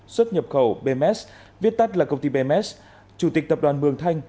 xuất nhập khẩu bms viết tắt là công ty bms chủ tịch tập đoàn mường thanh